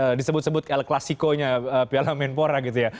ini disebut sebut klasikonya piala menpora gitu ya